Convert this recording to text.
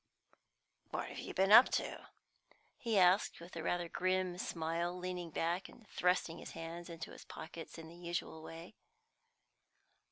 "What have you been up to?" he asked, with rather a grim smile, leaning back and thrusting his hands in his pockets in the usual way.